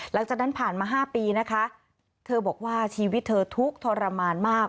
หลังจากนั้นผ่านมา๕ปีนะคะเธอบอกว่าชีวิตเธอทุกข์ทรมานมาก